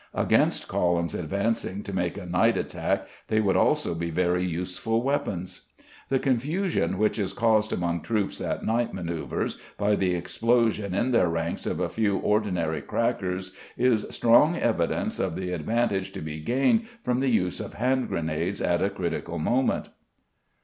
Against columns advancing to make a night attack they would also be very useful weapons. The confusion which is caused among troops at night manœuvres by the explosion in their ranks of a few ordinary crackers is strong evidence of the advantage to be gained from the use of hand grenades at a critical moment.